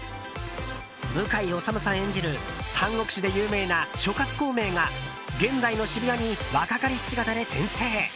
向井理さん演じる三国志で有名な諸葛孔明が現代の渋谷に若かりし姿で転生。